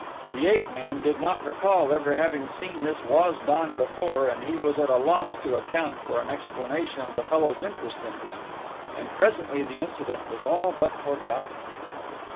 The ape man did not recall ever having seen this Waz don before and he was at a loss to account for an explanation of the fellow's interest in him, and presently the incident was all but forgotten.